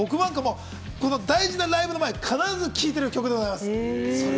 僕なんかは大事なライブの前、必ず聴いてる曲でございます。